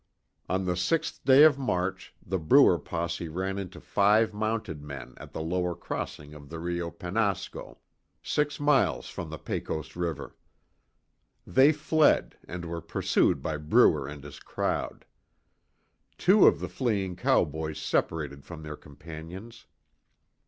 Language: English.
On the 6th day of March, the Bruer posse ran onto five mounted men at the lower crossing of the Rio Penasco, six miles from the Pecos river. They fled and were pursued by Bruer and his crowd. Two of the fleeing cowboys separated from their companions.